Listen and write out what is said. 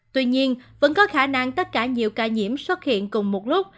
tuy nhiên vẫn có khả năng tất cả nhiều ca nhiễm xuất hiện cùng một lúc